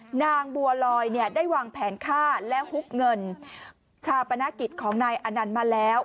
นางบัวลอยเนี่ยได้วางแผนฆ่าและฮุกเงินชาปนกิจของนายอนันต์มาแล้ว